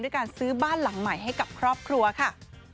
การซื้อบ้านหลังใหม่ให้กับครอบครัวค่ะ